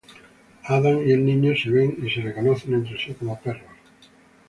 Adán y el niño se ven y se reconocen entre sí como perros.